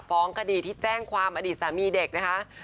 ฟ้องคดีที่แจ้งความอดีตสามีเด็กนะคะ